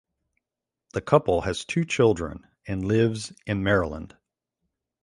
The couple has two children and lives in Maryland.